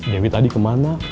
dewi tadi kemana